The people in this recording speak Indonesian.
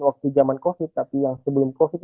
waktu zaman covid tapi yang sebelum covid